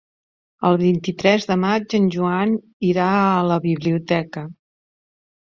El vint-i-tres de maig en Joan irà a la biblioteca.